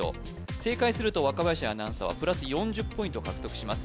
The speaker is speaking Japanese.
正解すると若林アナウンサーはプラス４０ポイントを獲得します